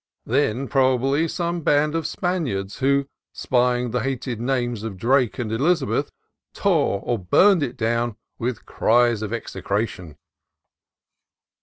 Then, probably, came some band of Span iards who, spying the hated names of Drake and Elizabeth, tore or burned it down with cries of exe cration.